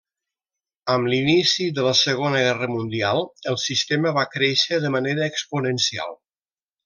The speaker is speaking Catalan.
Amb l'inici de la Segona Guerra Mundial el sistema va créixer de manera exponencial.